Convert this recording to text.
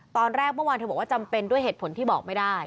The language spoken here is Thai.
ตอนแรกเมื่อวานเธอบอกว่าจำเป็นด้วยเหตุผลที่บอกไม่ได้